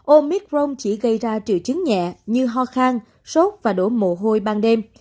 ômitron chỉ gây ra triệu chứng nhẹ như ho khang sốt và đổ mồ hôi ban đêm